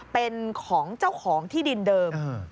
เป็นของเจ้าของที่ดินเดิม